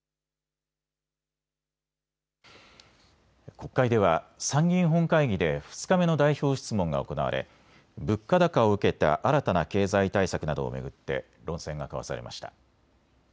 国会では参議院本会議で２日目の代表質問が行われ物価高を受けた新たな経済対策などを巡って論戦が交わされました。